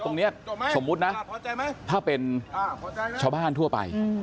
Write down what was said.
ตรงนี้สมมุตินะถ้าเป็นชาวบ้านทั่วไป